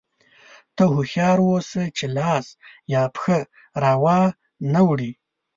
ته هوښیار اوسه چې لاس یا پښه را وانه وړې.